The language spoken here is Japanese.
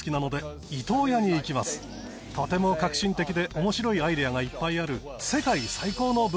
とても革新的で面白いアイデアがいっぱいある。